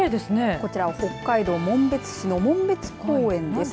こちら北海道紋別市の紋別公園です。